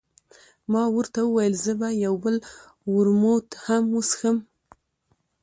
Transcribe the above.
ما ورته وویل، زه به یو بل ورموت هم وڅښم.